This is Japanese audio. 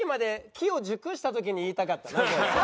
機を熟した時に言いたかったなこれ。